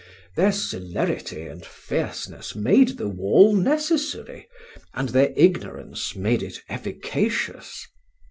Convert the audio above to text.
Their celerity and fierceness made the wall necessary, and their ignorance made it efficacious.